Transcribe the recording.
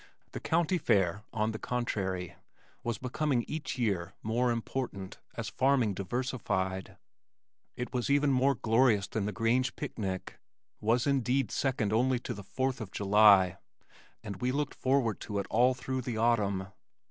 The County Fair on the contrary was becoming each year more important as farming diversified. It was even more glorious than the Grange Picnic, was indeed second only to the fourth of July, and we looked forward to it all through the autumn.